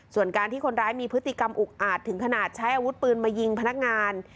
ส่วนการที่คนร้ายมีพฤติกรรมอุกอาจถึงขนาดใช้อาวุธปืนมายิงพนักงาน